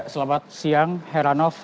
selamat siang heranov